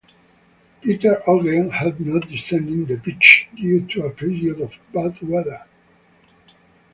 Peter Ogden had not descended the pitch due to a period of bad weather.